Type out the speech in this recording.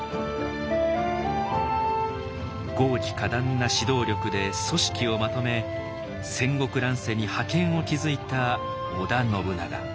剛毅果断な指導力で組織をまとめ戦国乱世に覇権を築いた織田信長。